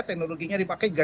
teknologinya dipakai juga